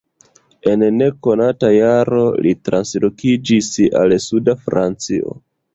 En nekonata jaro li translokiĝis al suda Francio.